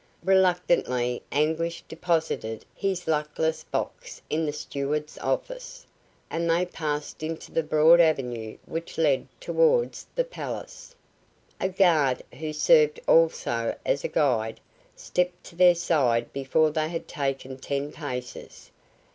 Reluctantly Anguish deposited his luckless box in the steward's office, and they passed into the broad avenue which led towards the palace. A guard, who served also as a guide, stepped to their side before they had taken ten paces.